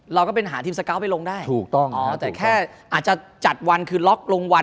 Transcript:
เราก็เป็นหาทีมสเกาะไปลงได้ถูกต้องอ๋อแต่แค่อาจจะจัดวันคือล็อกลงวัน